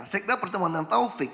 sekda pertemuan dengan taufik